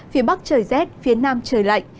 phía bắc trời rét phía nam trời lạnh